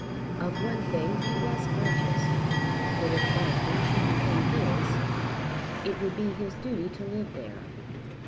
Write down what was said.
Of one thing he was conscious, that if Bragton should become his, it would be his duty to live there.